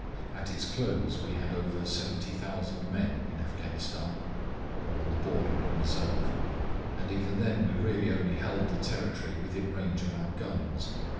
At its close we had over 70,000 men in Afghanistan, or on the border in reserve; and even then we really only held the territory within range of our guns.